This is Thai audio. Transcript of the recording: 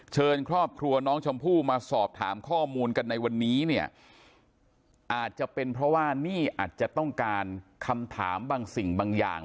เชิญครอบครัวน้องชมพู่มาสอบถามข้อมูลกันในวันนี้เนี่ยอาจจะเป็นเพราะว่านี่อาจจะต้องการคำถามบางสิ่งบางอย่าง